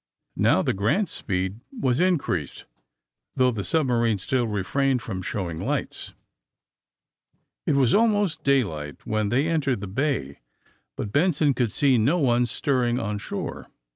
Now the *' Grant's" speed was increased, though the submarine still refrained from show ing lights. It was almost daylight when they entered the bay, but Benson could see no one stirring on shore.